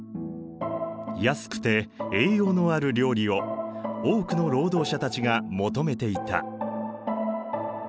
安くて栄養のある料理を多くの労働者たちが求めていた。